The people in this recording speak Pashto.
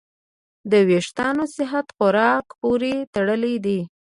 د وېښتیانو صحت خوراک پورې تړلی دی.